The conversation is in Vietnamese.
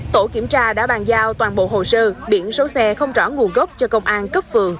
tổ kiểm tra đã bàn giao toàn bộ hồ sơ biển số xe không rõ nguồn gốc cho công an cấp phường